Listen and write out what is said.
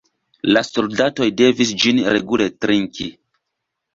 La soldatoj devis ĝin regule trinki.